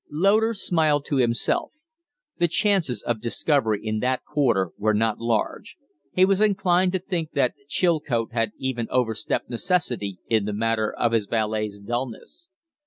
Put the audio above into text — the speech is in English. Loder smiled to himself. The chances of discovery in that quarter were not large. He was inclined to think that Chilcote had even overstepped necessity in the matter of his valet's dullness.